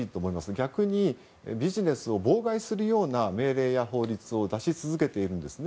逆にビジネスを妨害するような命令や法律を出し続けているんですね。